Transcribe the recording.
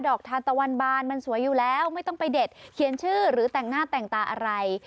อกทานตะวันบานมันสวยอยู่แล้วไม่ต้องไปเด็ดเขียนชื่อหรือแต่งหน้าแต่งตาอะไร